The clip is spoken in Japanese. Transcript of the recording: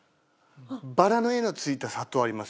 バラの絵のついた砂糖ありますよね？